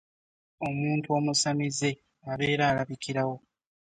Omuntu omusamize abeera alabikirawo.